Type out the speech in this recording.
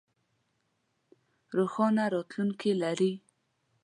روښانه راتلوونکې لرئ